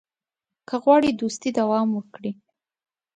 که غواړې دوستي دوام وکړي.